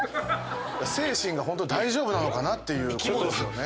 精神が大丈夫なのかなっていうことですよね。